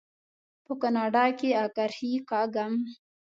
په کاناډا کې اکرښې کاږم.